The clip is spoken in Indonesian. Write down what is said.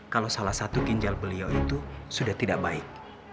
kalau salah satu ginjal beliau itu sudah tidak baik